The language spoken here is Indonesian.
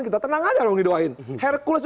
kita tenang aja orang orang didoain hercules